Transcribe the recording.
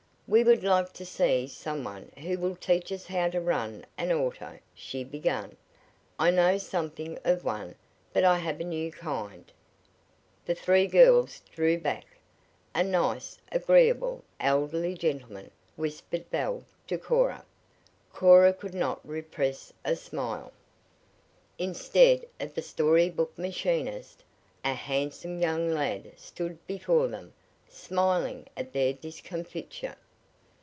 "We would like to see some one who will teach us how to run an auto," she began. "I know something of one, but I have a new kind." The three girls drew back. "A nice, agreeable, elderly gentleman!" whispered Belle to Cora. Cora could not repress a smile. Instead of the "story book machinist," a handsome young lad stood before them, smiling at their discomfiture.